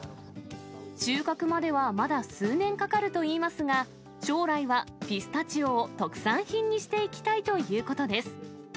収穫まではまだ数年かかるといいますが、将来はピスタチオを特産品にしていきたいということです。